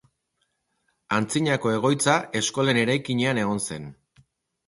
Antzinako egoitza eskolen eraikinean egon zen.